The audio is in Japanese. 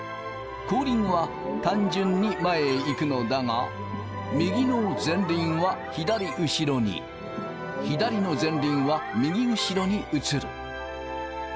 後輪は単純に前へ行くのだが右の前輪は左後ろに左の前輪は右後ろに移る。